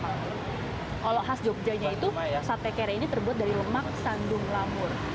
kalau khas jogjanya itu sate kere ini terbuat dari lemak sandung lamur